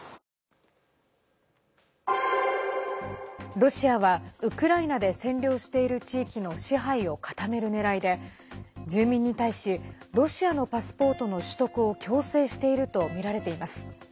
ロシアはウクライナで占領している地域の支配を固めるねらいで住民に対しロシアのパスポートの取得を強制しているとみられています。